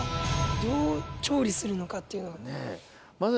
どう調理するのかっていうのが。